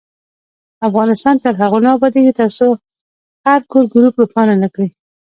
افغانستان تر هغو نه ابادیږي، ترڅو هر کور ګروپ روښانه نکړي.